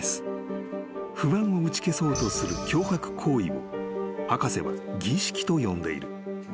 ［不安を打ち消そうとする強迫行為を博士は儀式と呼んでいる］